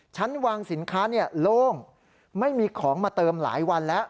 ชั้นวางสินค้าโล่งไม่มีของมาเติมหลายวันแล้ว